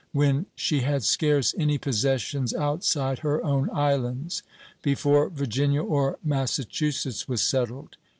when she had scarce any possessions outside her own islands; before Virginia or Massachusetts was settled.